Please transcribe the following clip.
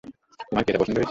তোমার কি এটা পছন্দ হয়েছে?